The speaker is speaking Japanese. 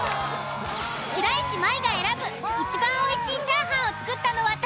白石麻衣が選ぶいちばんおいしいチャーハンを作ったのは誰？